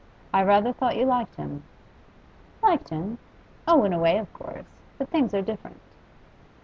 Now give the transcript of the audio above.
I rather thought you liked him.' 'Liked him? Oh, in a way, of course. But things are different.